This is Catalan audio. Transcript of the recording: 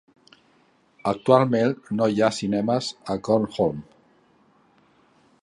Actualment no hi ha cinemes a Cornholme.